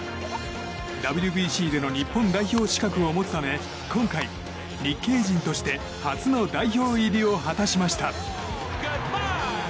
ＷＢＣでの日本代表資格を持つため今回、日系人として初の代表入りを果たしました。